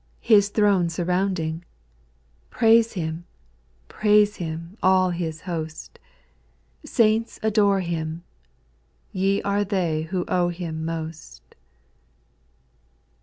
His throne surrounding, Praise Him, praise Him, all His host : Saints adore Him, — Ye are they who owe Him most.